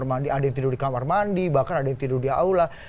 ada yang tidur di kamar mandi bahkan ada yang tidur di aula